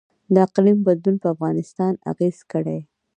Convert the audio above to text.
د اقلیم بدلون په افغانستان اغیز کړی؟